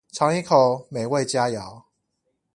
嚐一口美味佳肴